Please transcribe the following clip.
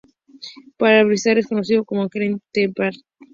Para abreviar es más conocido como "When the pawn".